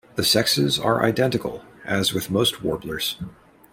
The sexes are identical, as with most warblers.